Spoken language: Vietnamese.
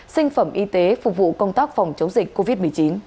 sinh phẩm y tế phục vụ công tác phòng chống dịch covid một mươi chín